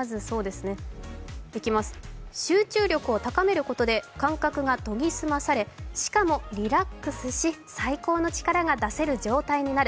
まず集中力を高めることで、感覚が研ぎ澄まされしかもリラックスし、最高の力が出せる状態になる。